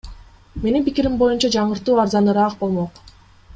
Менин пикирим боюнча, жаңыртуу арзаныраак болмок.